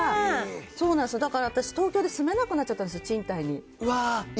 そうなんですよ、だから、私、東京に住めなくなっちゃったんですよ、賃貸に。